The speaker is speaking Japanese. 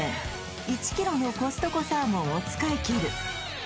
１キロのコストコサーモンを使い切る！